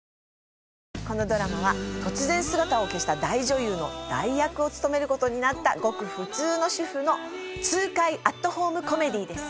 このドラマは突然姿を消した大女優の代役を務めることになったごく普通の主婦の痛快アットホームコメディーです。